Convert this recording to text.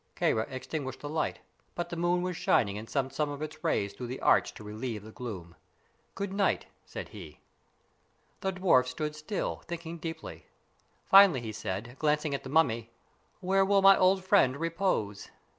Kāra extinguished the light, but the moon was shining and sent some of its rays through the arch to relieve the gloom. "Good night," said he. The dwarf stood still, thinking deeply. Finally he said, glancing at the mummy: "Where will my old friend repose?"